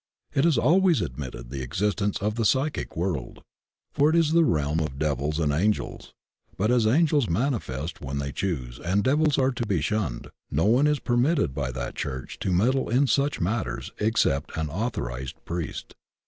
It has always admitted the existence of the psychic world — for it is the realm of devils and 136 THE OCEAN OF THEOSOPHY angels, but as angels manifest when they choose and devils are to be shunned, no one is permitted by that Church to meddle in such matters except an author ized priest.